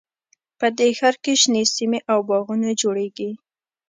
په دې ښار کې شنې سیمې او باغونه جوړیږي